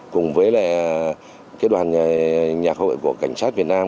cùng với đoàn nhạc hội của cảnh sát việt nam